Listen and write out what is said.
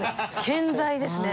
健在ですね。